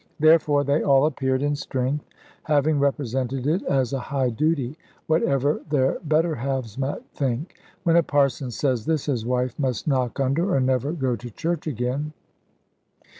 Therefore they all appeared in strength, having represented it as a high duty, whatever their better halves might think. When a parson says this, his wife must knock under, or never go to church again.